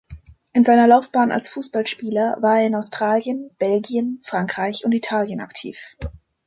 In seiner Laufbahn als Fußballspieler war er in Australien, Belgien, Frankreich und Italien aktiv.